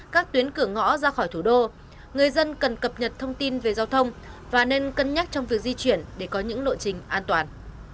các tuyến cửa ngõ ra khỏi thủ đô người dân cần cập nhật thông tin về giao thông và nên cân nhắc trong việc di chuyển để có những lộ trình an toàn